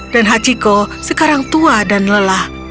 dan hachiko sekarang tua dan lelah